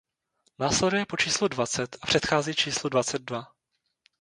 Následuje po číslu dvacet a předchází číslu dvacet dva.